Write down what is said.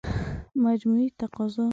مجموعي تقاضا